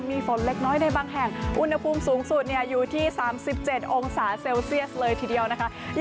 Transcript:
มีฝนเล็กน้อยในบางแห่งอุณหภูมิสูงสุดอยู่ที่๓๗องศาเซลเซียสเลยทีเดียวนะคะ